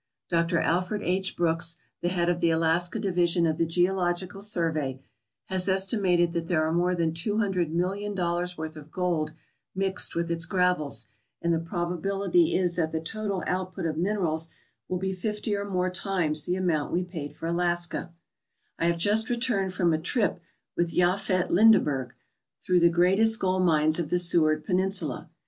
Dr. Alfred H. Brooks, the head of the Alaska division of the Geological Survey, has estimated that there are more than two hundred million dollars' worth of gold mixed with its gravels, and the probability is that the total output of minerals will be fifty or more times the amount we paid for Alaska, I have just returned from a trip with Jafet Lindeberg through the greatest gold mines of the Seward Peninsula.